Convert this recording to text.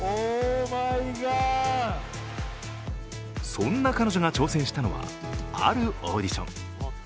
そんな彼女が挑戦したのはあるオーディション。